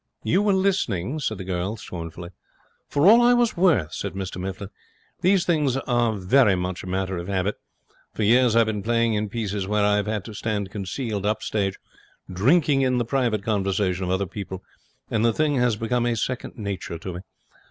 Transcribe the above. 'You were listening?' said the girl, scornfully. 'For all I was worth,' said Mr Mifflin. 'These things are very much a matter of habit. For years I have been playing in pieces where I have had to stand concealed up stage, drinking in the private conversation of other people, and the thing has become a second nature to me.